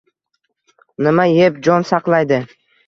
Nima yeb, jon saqlaydi?